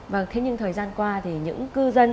vâng thế nhưng thời gian qua thì những cư dân